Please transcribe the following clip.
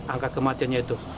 angka kematiannya itu